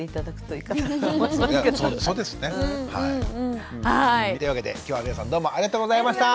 というわけで今日は皆さんどうもありがとうございました！